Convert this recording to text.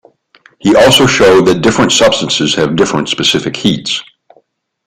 He also showed that different substances have different specific heats.